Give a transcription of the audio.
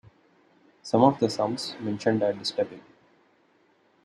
Some of the sums mentioned are disturbing.